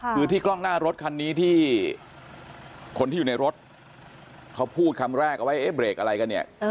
คือที่กล้องหน้ารถคันนี้ที่คนที่อยู่ในรถเขาพูดคำแรกเอาไว้เอ๊ะเบรกอะไรกันเนี่ย